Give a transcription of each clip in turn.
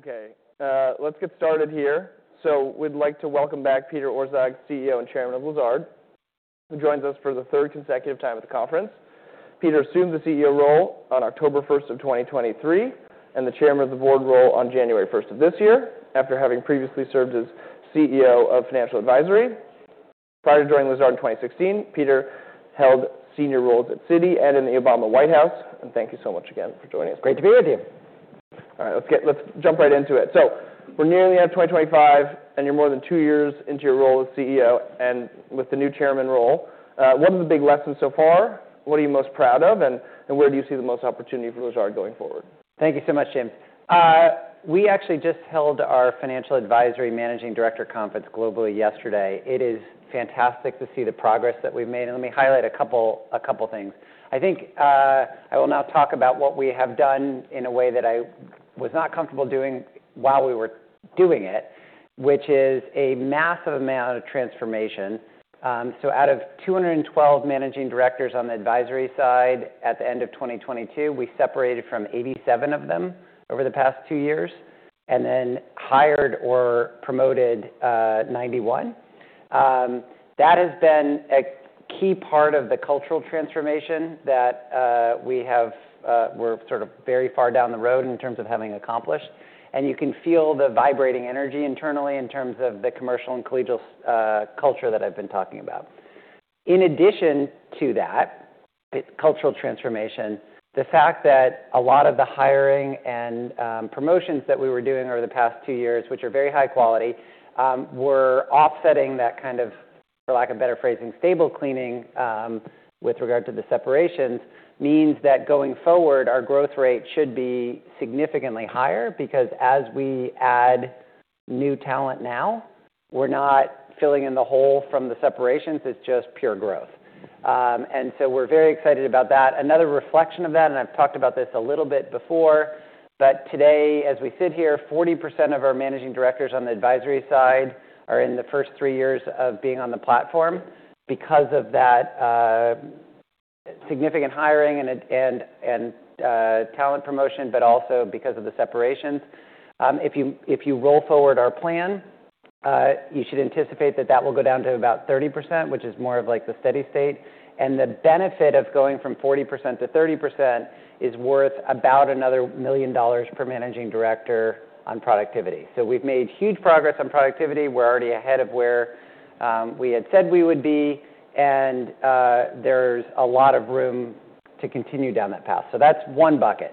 Okay. Let's get started here, so we'd like to welcome back Peter Orszag, CEO and Chairman of Lazard, who joins us for the third consecutive time at the conference. Peter assumed the CEO role on October 1st of 2023, and the Chairman of the Board role on January 1st of this year, after having previously served as CEO of Financial Advisory. Prior to joining Lazard in 2016, Peter held senior roles at Citi and in the Obama White House, and thank you so much again for joining us. Great to be with you. All right. Let's jump right into it. So we're nearing the end of 2025, and you're more than two years into your role as CEO and with the new Chairman role. What are the big lessons so far? What are you most proud of, and where do you see the most opportunity for Lazard going forward? Thank you so much, Jim. We actually just held our Financial Advisory Managing Director Conference globally yesterday. It is fantastic to see the progress that we've made. And let me highlight a couple things. I think I will now talk about what we have done in a way that I was not comfortable doing while we were doing it, which is a massive amount of transformation. So out of 212 managing directors on the advisory side at the end of 2022, we separated from 87 of them over the past two years and then hired or promoted 91. That has been a key part of the cultural transformation that we're sort of very far down the road in terms of having accomplished. And you can feel the vibrating energy internally in terms of the commercial and collegial culture that I've been talking about. In addition to that, the cultural transformation, the fact that a lot of the hiring and promotions that we were doing over the past two years, which are very high quality, were offsetting that kind of, for lack of better phrasing, stable cleaning with regard to the separations, means that going forward, our growth rate should be significantly higher because as we add new talent now, we're not filling in the hole from the separations. It's just pure growth. And so we're very excited about that. Another reflection of that, and I've talked about this a little bit before, but today, as we sit here, 40% of our managing directors on the advisory side are in the first three years of being on the platform because of that significant hiring and talent promotion, but also because of the separations. If you roll forward our plan, you should anticipate that will go down to about 30%, which is more of like the steady state. And the benefit of going from 40% to 30% is worth about $1 million per managing director on productivity. So we've made huge progress on productivity. We're already ahead of where we had said we would be. And there's a lot of room to continue down that path. So that's one bucket: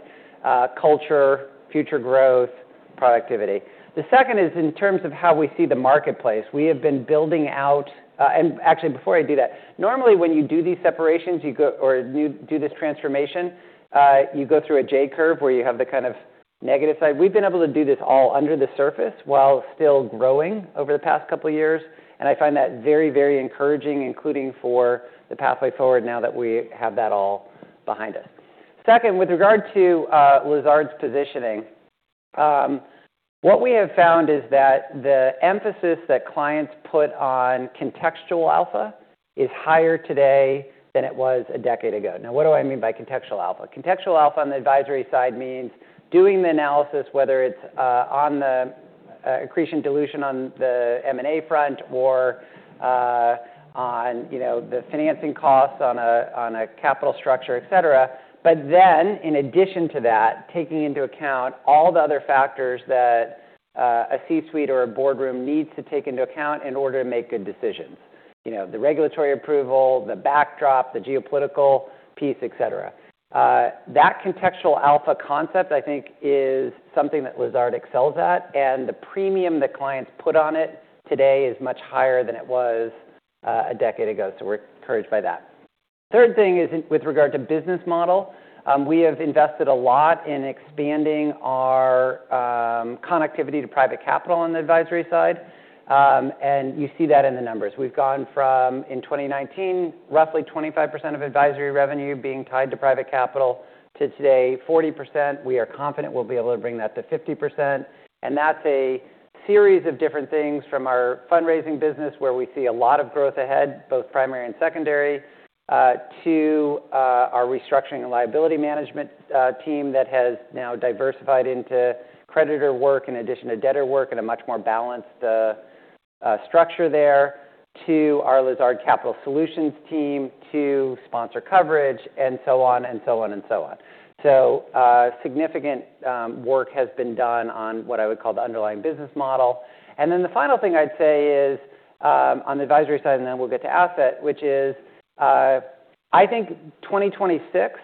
culture, future growth, productivity. The second is in terms of how we see the marketplace. We have been building out, and actually, before I do that, normally when you do these separations, you go or you do this transformation, you go through a J-curve where you have the kind of negative side. We've been able to do this all under the surface while still growing over the past couple of years, and I find that very, very encouraging, including for the pathway forward now that we have that all behind us. Second, with regard to Lazard's positioning, what we have found is that the emphasis that clients put on Contextual Alpha is higher today than it was a decade ago. Now, what do I mean by Contextual Alpha? Contextual Alpha on the advisory side means doing the analysis, whether it's on the accretion dilution on the M&A front or on you know the financing costs on a capital structure, et cetera. But then, in addition to that, taking into account all the other factors that a C-suite or a boardroom needs to take into account in order to make good decisions, you know, the regulatory approval, the geopolitical piece, et cetera. That Contextual Alpha concept, I think, is something that Lazard excels at. And the premium that clients put on it today is much higher than it was a decade ago. So we're encouraged by that. Third thing is with regard to business model. We have invested a lot in expanding our connectivity to private capital on the advisory side. And you see that in the numbers. We've gone from in 2019 roughly 25% of advisory revenue being tied to private capital to today, 40%. We are confident we'll be able to bring that to 50%. And that's a series of different things from our fundraising business, where we see a lot of growth ahead, both primary and secondary, to our restructuring and liability management team that has now diversified into creditor work in addition to debtor work and a much more balanced structure there, to our Lazard Capital Solutions team, to sponsor coverage, and so on and so on and so on. So, significant work has been done on what I would call the underlying business model. And then the final thing I'd say is on the advisory side, and then we'll get to asset, which is, I think, 2026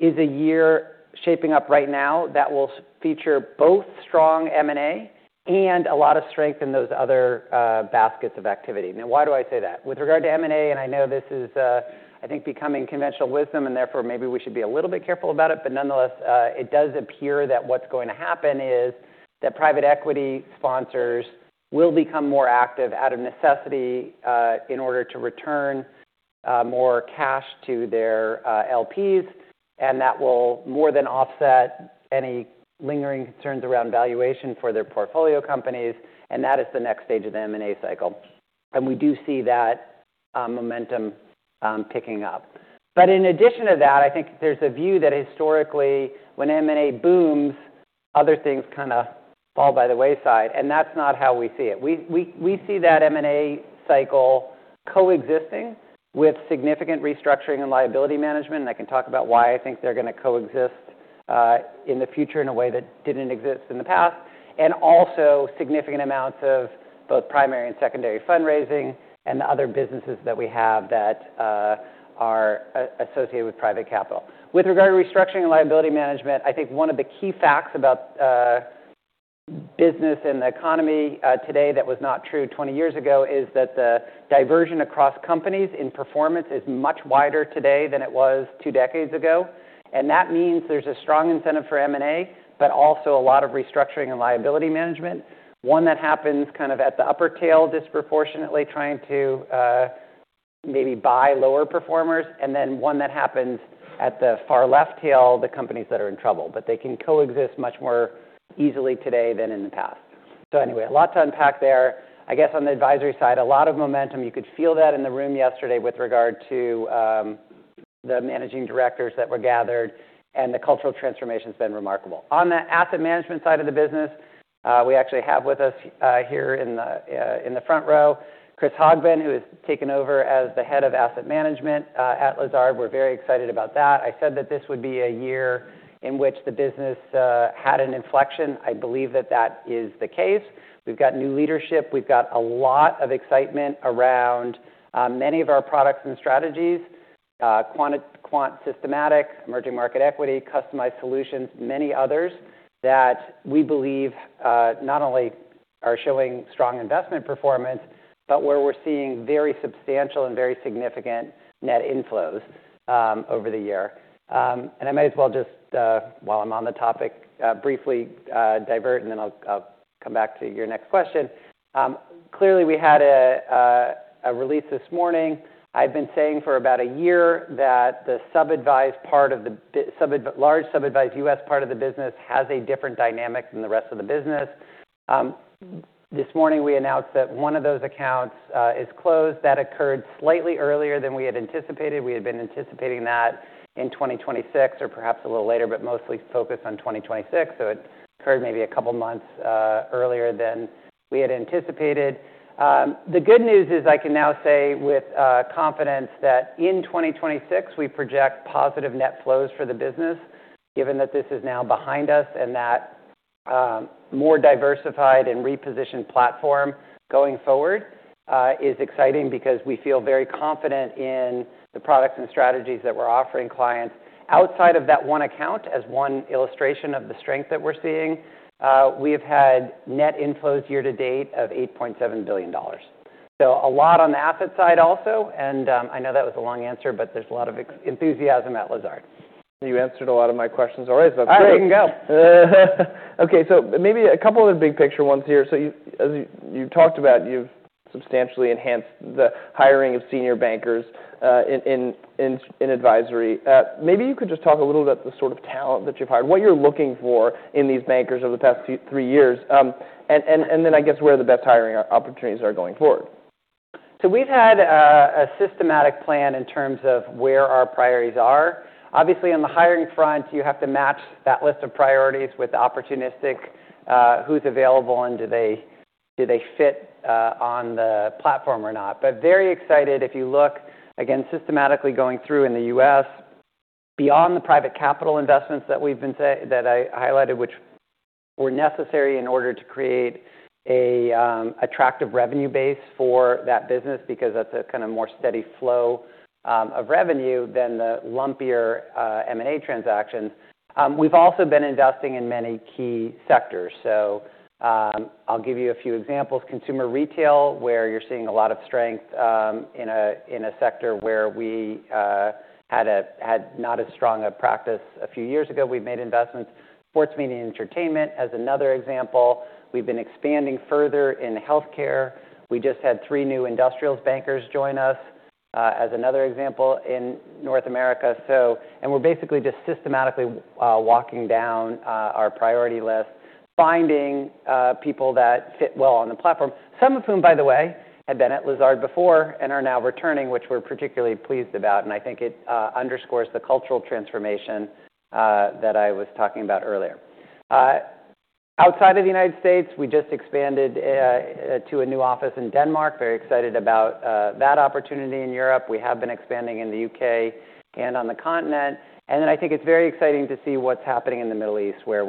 is a year shaping up right now that will feature both strong M&A and a lot of strength in those other baskets of activity. Now, why do I say that? With regard to M&A, and I know this is, I think, becoming conventional wisdom, and therefore maybe we should be a little bit careful about it. But nonetheless, it does appear that what's going to happen is that private equity sponsors will become more active out of necessity, in order to return more cash to their LPs. And that will more than offset any lingering concerns around valuation for their portfolio companies. And that is the next stage of the M&A cycle. And we do see that momentum picking up. But in addition to that, I think there's a view that historically, when M&A booms, other things kind of fall by the wayside. And that's not how we see it. We see that M&A cycle coexisting with significant restructuring and liability management. And I can talk about why I think they're going to coexist in the future in a way that didn't exist in the past, and also significant amounts of both primary and secondary fundraising and the other businesses that we have that are associated with private capital. With regard to restructuring and liability management, I think one of the key facts about business and the economy today that was not true 20 years ago is that the dispersion across companies in performance is much wider today than it was two decades ago. And that means there's a strong incentive for M&A, but also a lot of restructuring and liability management, one that happens kind of at the upper tail disproportionately trying to maybe buy lower performers, and then one that happens at the far left tail, the companies that are in trouble. But they can coexist much more easily today than in the past. So anyway, a lot to unpack there. I guess on the advisory side, a lot of momentum. You could feel that in the room yesterday with regard to the managing directors that were gathered. And the cultural transformation has been remarkable. On the asset management side of the business, we actually have with us here in the front row, Chris Hogbin, who has taken over as the head of Asset Management at Lazard. We're very excited about that. I said that this would be a year in which the business had an inflection. I believe that that is the case. We've got new leadership. We've got a lot of excitement around many of our products and strategies, quant systematic, emerging market equity, customized solutions, many others that we believe not only are showing strong investment performance, but where we're seeing very substantial and very significant net inflows over the year, and I might as well just, while I'm on the topic, briefly divert, and then I'll come back to your next question. Clearly, we had a release this morning. I've been saying for about a year that the sub-advised part of the sub-large sub-advised U.S. part of the business has a different dynamic than the rest of the business. This morning, we announced that one of those accounts is closed. That occurred slightly earlier than we had anticipated. We had been anticipating that in 2026 or perhaps a little later, but mostly focused on 2026. So it occurred maybe a couple of months earlier than we had anticipated. The good news is I can now say with confidence that in 2026 we project positive net flows for the business, given that this is now behind us and that more diversified and repositioned platform going forward is exciting because we feel very confident in the products and strategies that we're offering clients. Outside of that one account, as one illustration of the strength that we're seeing, we have had net inflows year to date of $8.7 billion. So a lot on the asset side also. And I know that was a long answer, but there's a lot of enthusiasm at Lazard. You answered a lot of my questions already, so that's great. All right. You can go. Okay. So maybe a couple of the big picture ones here. So you, as you talked about, you've substantially enhanced the hiring of senior bankers in advisory. Maybe you could just talk a little about the sort of talent that you've hired, what you're looking for in these bankers over the past three years, and then I guess where the best hiring opportunities are going forward. So we've had a systematic plan in terms of where our priorities are. Obviously, on the hiring front, you have to match that list of priorities with opportunistic, who's available, and do they fit on the platform or not. But very excited, if you look again, systematically going through in the U.S., beyond the private capital investments that we've been, say, that I highlighted, which were necessary in order to create a attractive revenue base for that business because that's a kind of more steady flow of revenue than the lumpier M&A transactions. We've also been investing in many key sectors. I'll give you a few examples. Consumer retail, where you're seeing a lot of strength in a sector where we had not as strong a practice a few years ago. We've made investments. Sports media and entertainment as another example. We've been expanding further in healthcare. We just had three new industrials bankers join us, as another example in North America, and we're basically just systematically walking down our priority list, finding people that fit well on the platform, some of whom, by the way, had been at Lazard before and are now returning, which we're particularly pleased about, and I think it underscores the cultural transformation that I was talking about earlier. Outside of the United States, we just expanded to a new office in Denmark. Very excited about that opportunity in Europe. We have been expanding in the U.K. and on the continent, and then I think it's very exciting to see what's happening in the Middle East, where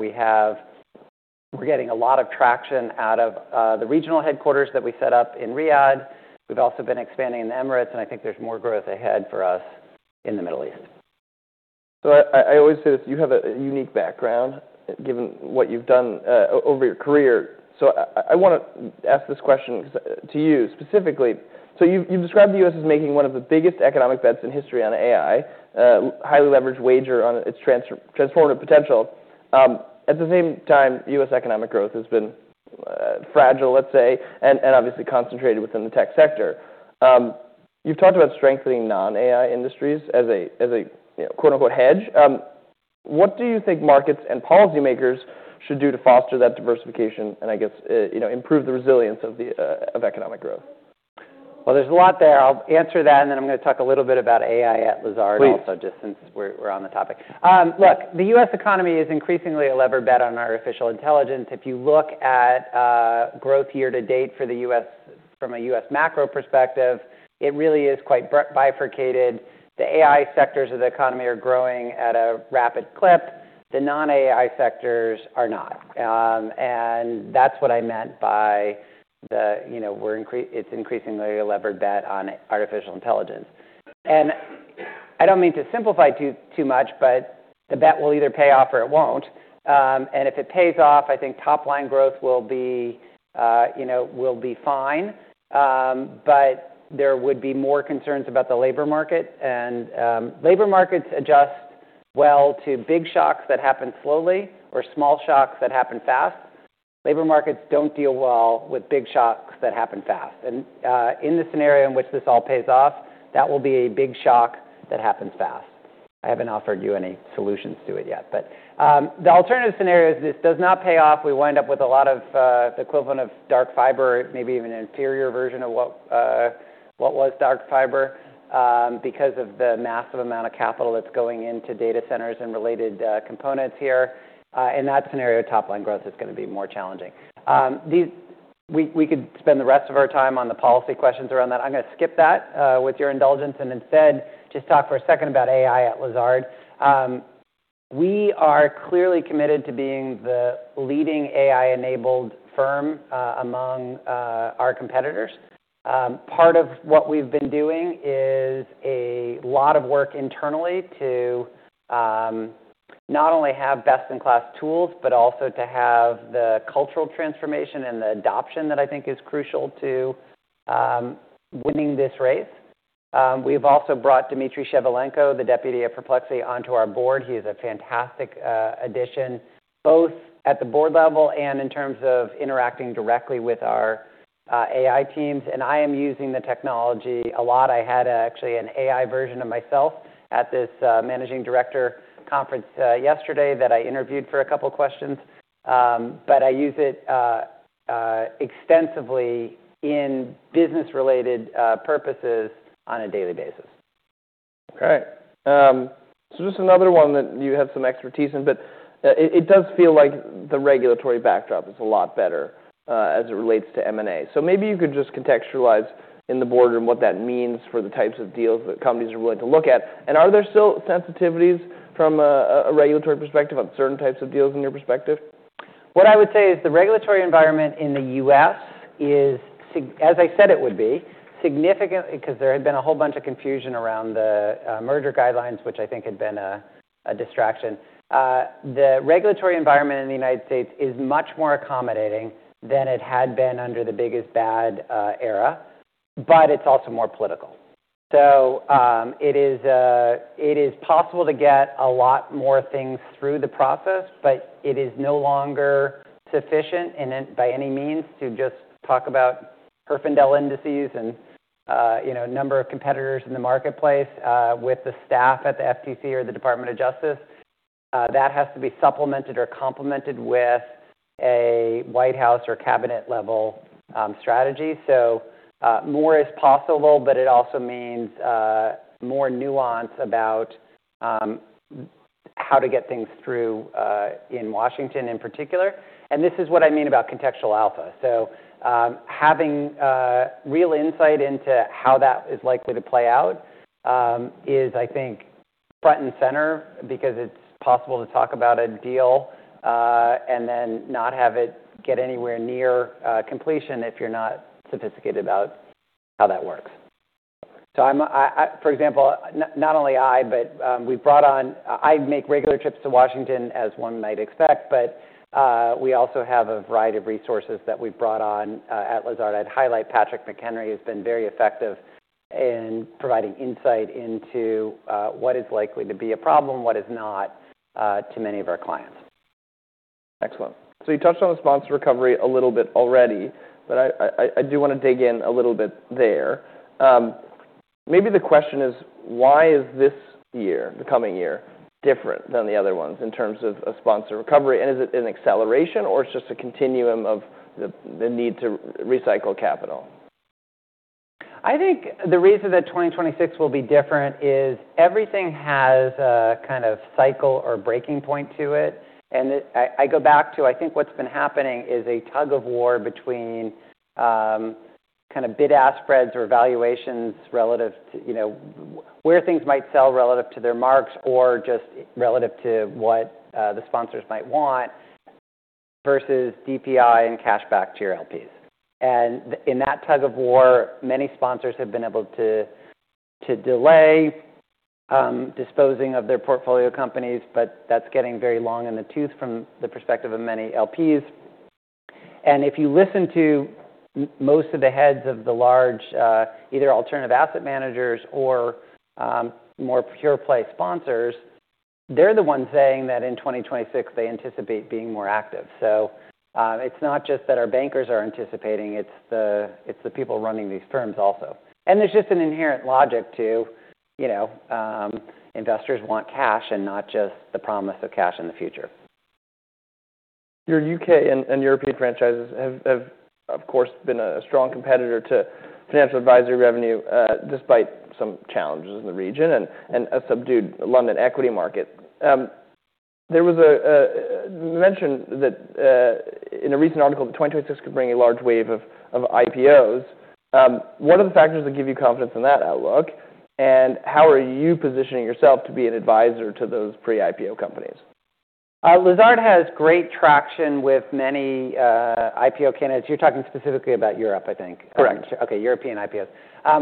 we're getting a lot of traction out of the regional headquarters that we set up in Riyadh. We've also been expanding in the Emirates, and I think there's more growth ahead for us in the Middle East. So I always say this. You have a unique background, given what you've done, over your career. So I want to ask this question to you specifically. So you've described the U.S. as making one of the biggest economic bets in history on AI, highly leveraged wager on its transformative potential. At the same time, U.S. economic growth has been fragile, let's say, and obviously concentrated within the tech sector. You've talked about strengthening non-AI industries as a you know quote-unquote "hedge." What do you think markets and policymakers should do to foster that diversification and, I guess, you know, improve the resilience of the economic growth? Well, there's a lot there. I'll answer that, and then I'm going to talk a little bit about AI at Lazard also, just since we're on the topic. Look, the U.S. economy is increasingly a levered bet on artificial intelligence. If you look at growth year to date for the U.S. from a U.S. macro perspective, it really is quite bifurcated. The AI sectors of the economy are growing at a rapid clip. The non-AI sectors are not, and that's what I meant by, you know, we're increasingly a levered bet on artificial intelligence, and I don't mean to simplify too much, but the bet will either pay off or it won't, and if it pays off, I think top-line growth will be, you know, fine, but there would be more concerns about the labor market. Labor markets adjust well to big shocks that happen slowly or small shocks that happen fast. Labor markets don't deal well with big shocks that happen fast. In the scenario in which this all pays off, that will be a big shock that happens fast. I haven't offered you any solutions to it yet. The alternative scenario is this does not pay off. We wind up with a lot of the equivalent of dark fiber, maybe even an inferior version of what was dark fiber, because of the massive amount of capital that's going into data centers and related components here. In that scenario, top-line growth is going to be more challenging. We could spend the rest of our time on the policy questions around that. I'm going to skip that, with your indulgence and instead just talk for a second about AI at Lazard. We are clearly committed to being the leading AI-enabled firm among our competitors. Part of what we've been doing is a lot of work internally to not only have best-in-class tools, but also to have the cultural transformation and the adoption that I think is crucial to winning this race. We've also brought Dmitry Shevelenko, the deputy of Perplexity, onto our board. He is a fantastic addition, both at the board level and in terms of interacting directly with our AI teams, and I am using the technology a lot. I had actually an AI version of myself at this managing director conference yesterday that I interviewed for a couple of questions, but I use it extensively in business-related purposes on a daily basis. Okay. So just another one that you have some expertise in, but it does feel like the regulatory backdrop is a lot better, as it relates to M&A. So maybe you could just contextualize in the boardroom what that means for the types of deals that companies are willing to look at. And are there still sensitivities from a regulatory perspective on certain types of deals in your perspective? What I would say is the regulatory environment in the U.S. is, as I said, it would be significant because there had been a whole bunch of confusion around the merger guidelines, which I think had been a distraction. The regulatory environment in the United States is much more accommodating than it had been under the Biden era, but it's also more political. It is possible to get a lot more things through the process, but it is no longer sufficient by any means to just talk about Herfindahl Indices and, you know, number of competitors in the marketplace with the staff at the FTC or the Department of Justice. That has to be supplemented or complemented with a White House or cabinet-level strategy, so more is possible, but it also means more nuance about how to get things through in Washington in particular. And this is what I mean about Contextual Alpha. So having real insight into how that is likely to play out is, I think, front and center because it's possible to talk about a deal and then not have it get anywhere near completion if you're not sophisticated about how that works. So for example, not only I make regular trips to Washington, as one might expect, but we also have a variety of resources that we've brought on at Lazard. I'd highlight Patrick McHenry, who's been very effective in providing insight into what is likely to be a problem, what is not, to many of our clients. Excellent. So you touched on the sponsor recovery a little bit already, but I do want to dig in a little bit there. Maybe the question is, why is this year, the coming year, different than the other ones in terms of a sponsor recovery? And is it an acceleration, or it's just a continuum of the need to recycle capital? I think the reason that 2026 will be different is everything has a kind of cycle or breaking point to it, and I go back to I think what's been happening is a tug-of-war between kind of bid-ask spreads or valuations relative to, you know, where things might sell relative to their marks or just relative to what the sponsors might want versus DPI and cash back to your LPs. In that tug-of-war, many sponsors have been able to delay disposing of their portfolio companies, but that's getting very long in the tooth from the perspective of many LPs. If you listen to most of the heads of the large either alternative asset managers or more pure-play sponsors, they're the ones saying that in 2026 they anticipate being more active, so it's not just that our bankers are anticipating. It's the people running these firms also, and there's just an inherent logic to, you know, investors want cash and not just the promise of cash in the future. Your U.K. and European franchises have of course been a strong contributor to financial advisory revenue, despite some challenges in the region and a subdued London equity market. There was a mention that in a recent article 2026 could bring a large wave of IPOs. What are the factors that give you confidence in that outlook, and how are you positioning yourself to be an advisor to those pre-IPO companies? Lazard has great traction with many IPO candidates. You're talking specifically about Europe, I think. Correct. Okay. European IPOs.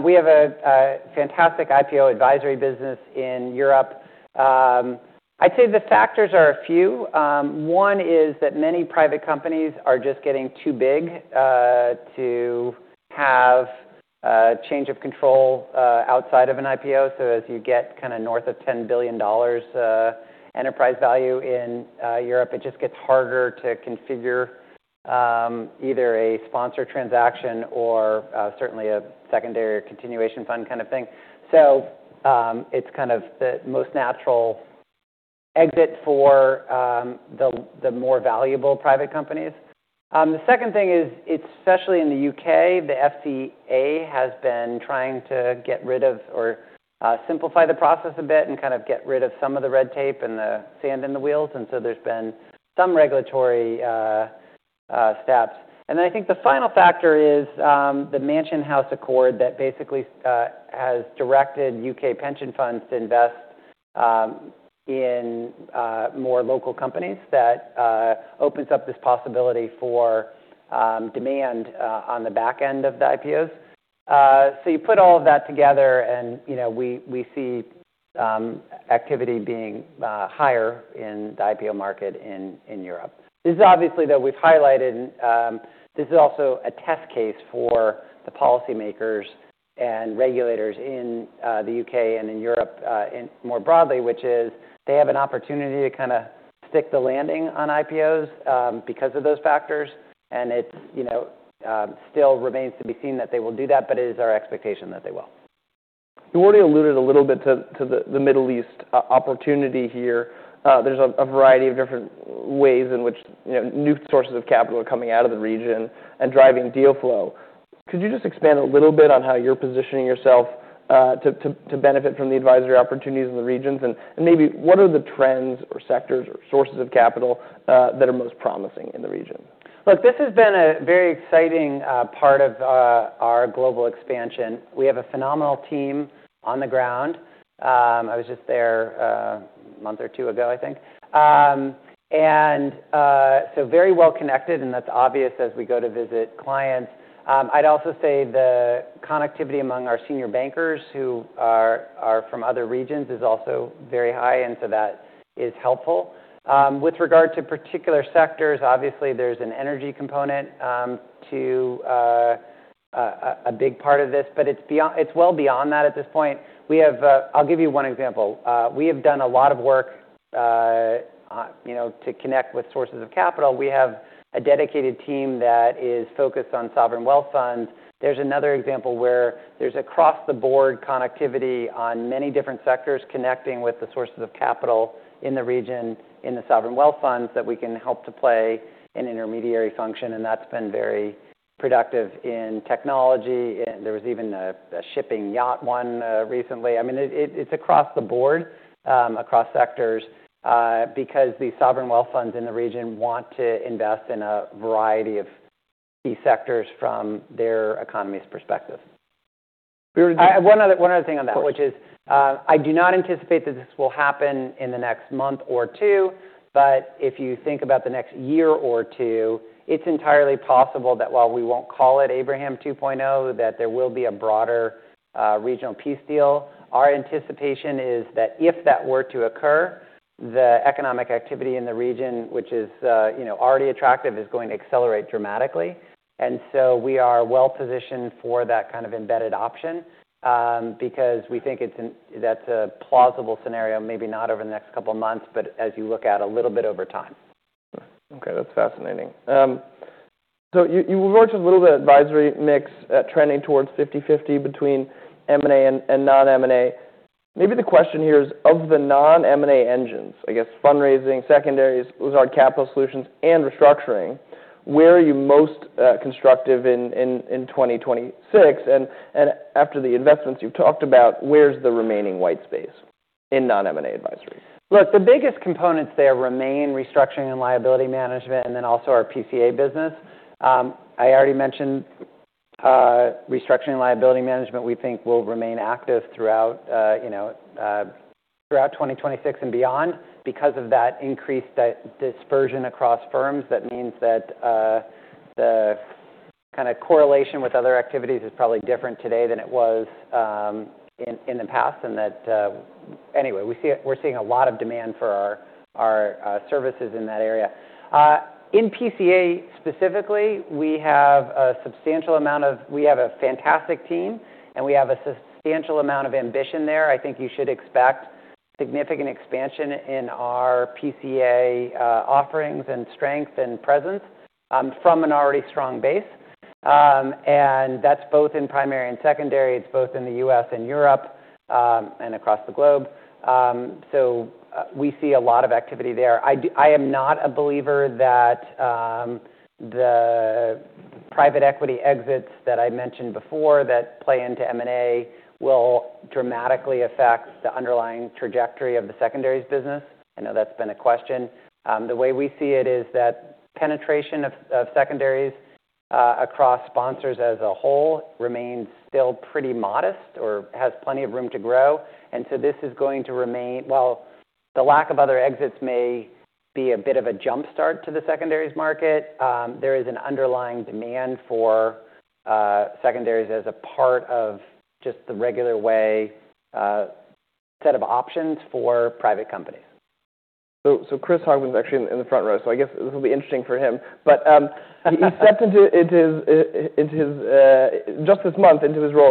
We have a fantastic IPO advisory business in Europe. I'd say the factors are a few. One is that many private companies are just getting too big to have change of control outside of an IPO. So as you get kind of north of $10 billion enterprise value in Europe, it just gets harder to configure either a sponsor transaction or certainly a secondary or continuation fund kind of thing. So it's kind of the most natural exit for the more valuable private companies. The second thing is, especially in the U.K., the FTA has been trying to get rid of or simplify the process a bit and kind of get rid of some of the red tape and the sand in the wheels. And so there's been some regulatory steps. And then I think the final factor is the Mansion House Accord that basically has directed U.K. pension funds to invest in more local companies that opens up this possibility for demand on the back end of the IPOs, so you put all of that together and, you know, we see activity being higher in the IPO market in Europe. This is obviously, though we've highlighted, this is also a test case for the policymakers and regulators in the U.K. and in Europe more broadly, which is they have an opportunity to kind of stick the landing on IPOs because of those factors, and it's, you know, still remains to be seen that they will do that, but it is our expectation that they will. You already alluded a little bit to the Middle East opportunity here. There's a variety of different ways in which, you know, new sources of capital are coming out of the region and driving deal flow. Could you just expand a little bit on how you're positioning yourself to benefit from the advisory opportunities in the regions, and maybe what are the trends or sectors or sources of capital that are most promising in the region? Look, this has been a very exciting part of our global expansion. We have a phenomenal team on the ground. I was just there a month or two ago, I think, and so very well connected, and that's obvious as we go to visit clients. I'd also say the connectivity among our senior bankers who are from other regions is also very high, and so that is helpful. With regard to particular sectors, obviously there's an energy component to a big part of this, but it's well beyond that at this point. We have. I'll give you one example. We have done a lot of work, you know, to connect with sources of capital. We have a dedicated team that is focused on sovereign wealth funds. There's another example where there's across-the-board connectivity on many different sectors connecting with the sources of capital in the region in the sovereign wealth funds that we can help to play an intermediary function, and that's been very productive in technology. There was even a shipping yacht one recently. I mean, it's across the board, across sectors, because the Sovereign Wealth Funds in the region want to invest in a variety of key sectors from their economy's perspective. We were. I have one other thing on that, which is, I do not anticipate that this will happen in the next month or two, but if you think about the next year or two, it's entirely possible that while we won't call it Abraham 2.0, that there will be a broader, regional peace deal. Our anticipation is that if that were to occur, the economic activity in the region, which is, you know, already attractive, is going to accelerate dramatically, and so we are well positioned for that kind of embedded option, because we think it's an, that's a plausible scenario, maybe not over the next couple of months, but as you look at a little bit over time. Okay. That's fascinating, so you referred to a little bit of advisory mix, trending towards 50/50 between M&A and non-M&A. Maybe the question here is, of the non-M&A engines, I guess, fundraising, secondaries, Lazard Capital Solutions, and restructuring, where are you most constructive in 2026? And after the investments you've talked about, where's the remaining white space in non-M&A advisory? Look, the biggest components there remain restructuring and liability management, and then also our PCA business. I already mentioned restructuring and liability management we think will remain active throughout, you know, throughout 2026 and beyond because of that increased dispersion across firms. That means that the kind of correlation with other activities is probably different today than it was in the past, and that anyway, we're seeing a lot of demand for our services in that area. In PCA specifically, we have a fantastic team, and we have a substantial amount of ambition there. I think you should expect significant expansion in our PCA offerings and strength and presence from an already strong base, and that's both in primary and secondary. It's both in the U.S. and Europe, and across the globe, so we see a lot of activity there. I am not a believer that the private equity exits that I mentioned before that play into M&A will dramatically affect the underlying trajectory of the secondaries business. I know that's been a question. The way we see it is that penetration of secondaries across sponsors as a whole remains still pretty modest or has plenty of room to grow, and so this is going to remain while the lack of other exits may be a bit of a jumpstart to the secondaries market. There is an underlying demand for secondaries as a part of just the regular way set of options for private companies. Chris Hogbin's actually in the front row, so I guess this will be interesting for him. He stepped into his role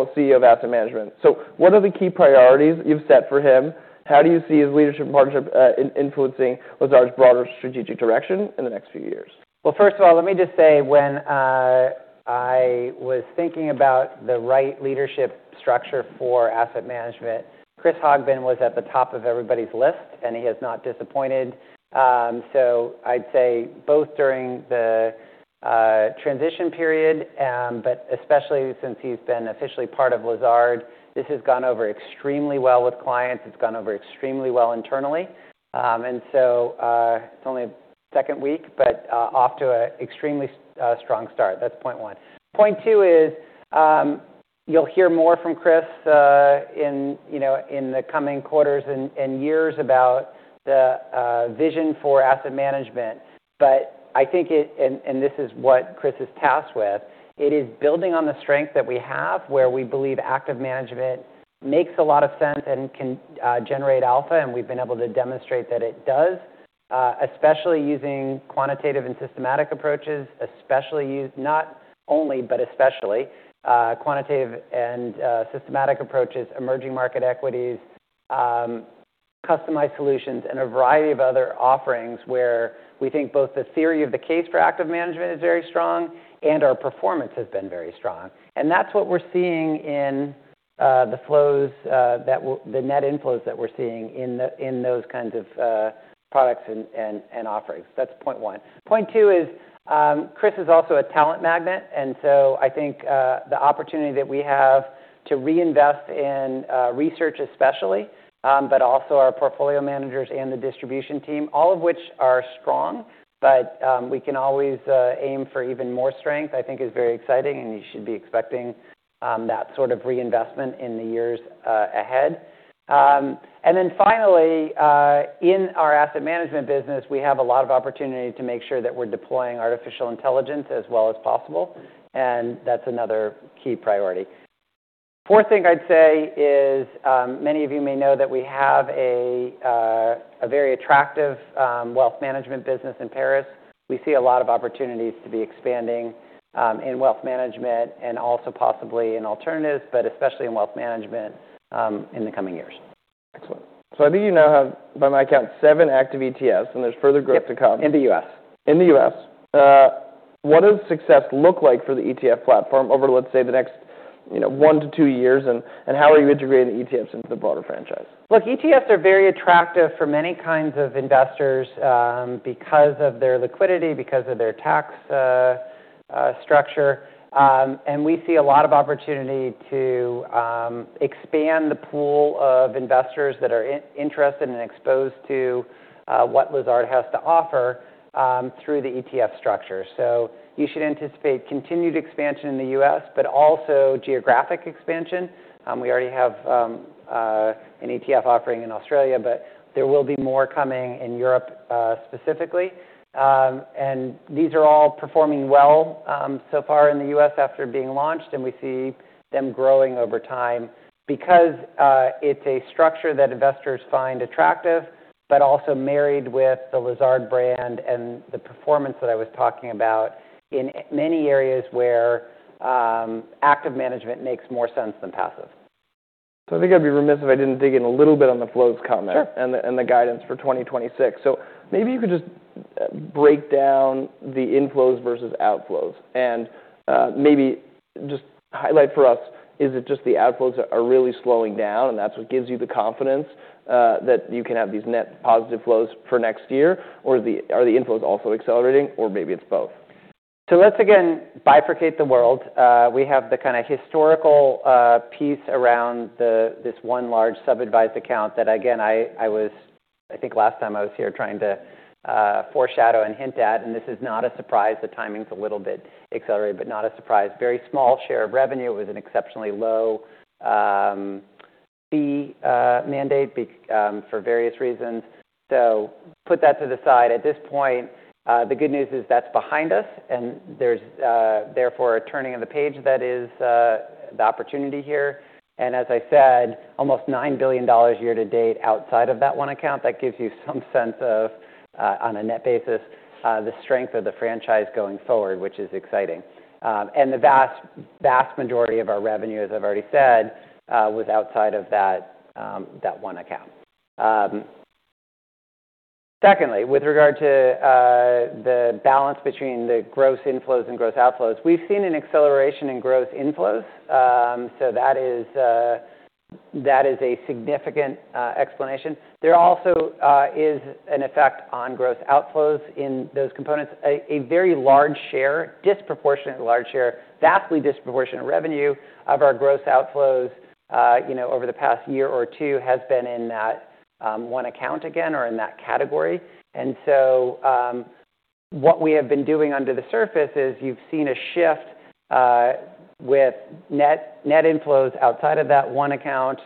as CEO of Asset Management just this month. What are the key priorities you've set for him? How do you see his leadership and partnership influencing Lazard's broader strategic direction in the next few years? Well, first of all, let me just say when I was thinking about the right leadership structure for Asset Management, Chris Hogbin was at the top of everybody's list, and he has not disappointed so I'd say both during the transition period, but especially since he's been officially part of Lazard, this has gone over extremely well with clients. It's gone over extremely well internally and so it's only a second week, but off to an extremely strong start. That's point one. Point two is you'll hear more from Chris in, you know, in the coming quarters and years about the vision for asset management but I think it and this is what Chris is tasked with. It is building on the strength that we have where we believe active management makes a lot of sense and can generate alpha, and we've been able to demonstrate that it does, especially using quantitative and systematic approaches, not only, but especially quantitative and systematic approaches, emerging market equities, customized solutions, and a variety of other offerings where we think both the theory of the case for active management is very strong and our performance has been very strong. And that's what we're seeing in the flows, the net inflows that we're seeing in those kinds of products and offerings. That's point one. Point two is, Chris is also a talent magnet. And so I think the opportunity that we have to reinvest in research especially, but also our portfolio managers and the distribution team, all of which are strong, but we can always aim for even more strength, I think, is very exciting, and you should be expecting that sort of reinvestment in the years ahead. And then finally, in our Asset Management business, we have a lot of opportunity to make sure that we're deploying artificial intelligence as well as possible. And that's another key priority. Fourth thing I'd say is, many of you may know that we have a very attractive Wealth Management business in Paris. We see a lot of opportunities to be expanding in Wealth Management and also possibly in alternatives, but especially in Wealth Management in the coming years. Excellent. So I think you now have, by my account, seven active ETFs, and there's further growth to come. Yep. In the U.S. In the U.S., what does success look like for the ETF platform over, let's say, the next, you know, one to two years? And how are you integrating the ETFs into the broader franchise? Look, ETFs are very attractive for many kinds of investors, because of their liquidity, because of their tax structure. We see a lot of opportunity to expand the pool of investors that are interested and exposed to what Lazard has to offer, through the ETF structure. So you should anticipate continued expansion in the US, but also geographic expansion. We already have an ETF offering in Australia, but there will be more coming in Europe, specifically. And these are all performing well so far in the U.S. after being launched, and we see them growing over time because it's a structure that investors find attractive, but also married with the Lazard brand and the performance that I was talking about in many areas where active management makes more sense than passive. So I think I'd be remiss if I didn't dig in a little bit on the flows comment. Sure. The guidance for 2026. Maybe you could just break down the inflows versus outflows and maybe just highlight for us: is it just the outflows that are really slowing down, and that's what gives you the confidence that you can have these net positive flows for next year, or are the inflows also accelerating, or maybe it's both? So let's again bifurcate the world. We have the kind of historical piece around this one large sub-advised account that, again, I was, I think last time I was here trying to foreshadow and hint at, and this is not a surprise. The timing's a little bit accelerated, but not a surprise. Very small share of revenue. It was an exceptionally low-fee mandate because for various reasons. So put that to the side. At this point, the good news is that's behind us, and there's therefore a turning of the page that is the opportunity here. And as I said, almost $9 billion year to date outside of that one account. That gives you some sense of, on a net basis, the strength of the franchise going forward, which is exciting. And the vast, vast majority of our revenue, as I've already said, was outside of that one account. Secondly, with regard to the balance between the gross inflows and gross outflows, we've seen an acceleration in gross inflows, so that is a significant explanation. There also is an effect on gross outflows in those components. A very large share, disproportionately large share, vastly disproportionate revenue of our gross outflows, you know, over the past year or two has been in that one account again or in that category, and so what we have been doing under the surface is you've seen a shift with net inflows outside of that one account,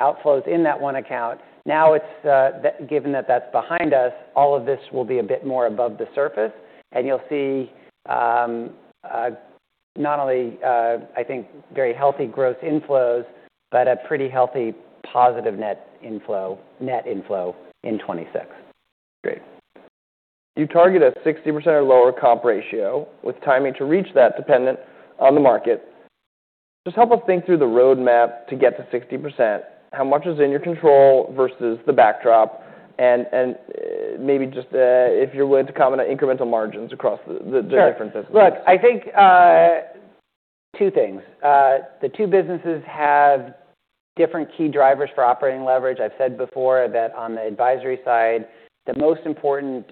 outflows in that one account. Now it's that given that that's behind us, all of this will be a bit more above the surface, and you'll see, not only, I think, very healthy gross inflows, but a pretty healthy positive net inflow, net inflow in 2026. Great. You target a 60% or lower comp ratio with timing to reach that dependent on the market. Just help us think through the roadmap to get to 60%. How much is in your control versus the backdrop? And maybe just, if you're willing to comment on incremental margins across the different businesses. Sure. Look, I think, two things. The two businesses have different key drivers for operating leverage. I've said before that on the advisory side, the most important,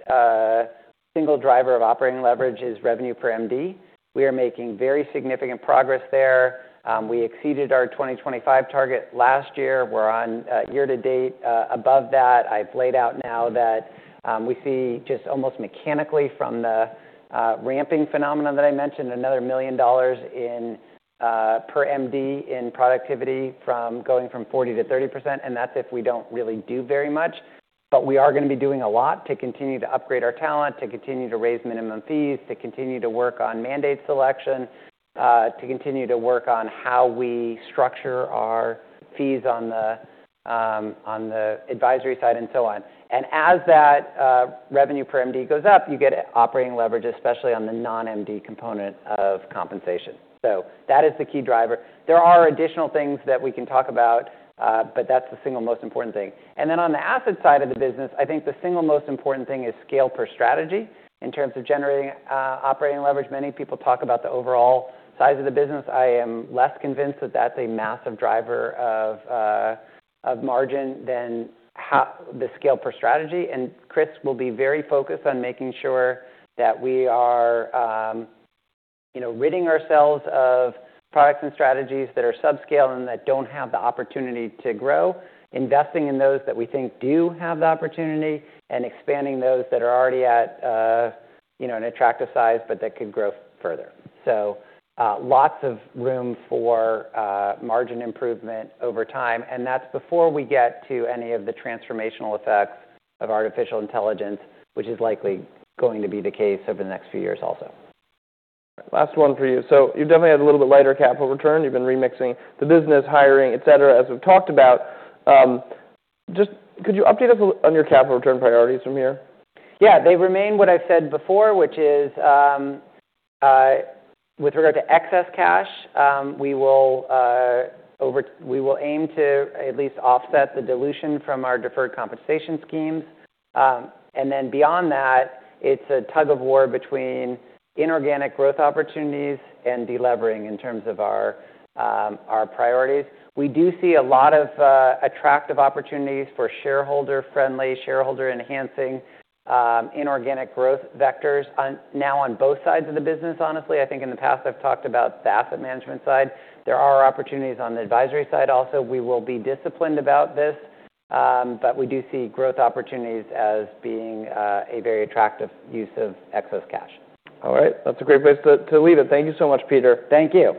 single driver of operating leverage is revenue per MD. We are making very significant progress there. We exceeded our 2025 target last year. We're on, year to date, above that. I've laid out now that, we see just almost mechanically from the, ramping phenomenon that I mentioned, another $1 million in per MD in productivity from going from 40%-30%, and that's if we don't really do very much. But we are going to be doing a lot to continue to upgrade our talent, to continue to raise minimum fees, to continue to work on mandate selection, to continue to work on how we structure our fees on the advisory side and so on. As that revenue per MD goes up, you get operating leverage, especially on the non-MD component of compensation, so that is the key driver. There are additional things that we can talk about, but that's the single most important thing, and then on the asset side of the business, I think the single most important thing is scale per strategy in terms of generating operating leverage. Many people talk about the overall size of the business. I am less convinced that that's a massive driver of margin than how the scale per strategy. And Chris will be very focused on making sure that we are, you know, ridding ourselves of products and strategies that are subscale and that don't have the opportunity to grow, investing in those that we think do have the opportunity, and expanding those that are already at, you know, an attractive size, but that could grow further. So, lots of room for margin improvement over time. And that's before we get to any of the transformational effects of artificial intelligence, which is likely going to be the case over the next few years also. Last one for you. So you've definitely had a little bit lighter capital return. You've been remixing the business, hiring, et cetera, as we've talked about. Just could you update us a little on your capital return priorities from here? Yeah. They remain what I've said before, which is, with regard to excess cash, we will aim to at least offset the dilution from our deferred compensation schemes, and then beyond that, it's a tug-of-war between inorganic growth opportunities and delevering in terms of our priorities. We do see a lot of attractive opportunities for shareholder-friendly, shareholder-enhancing inorganic growth vectors on both sides of the business, honestly. I think in the past I've talked about the asset management side. There are opportunities on the advisory side also. We will be disciplined about this, but we do see growth opportunities as being a very attractive use of excess cash. All right. That's a great place to leave it. Thank you so much, Peter. Thank you.